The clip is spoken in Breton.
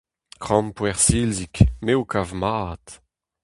Krampouezh-silzig, me ho kav mat.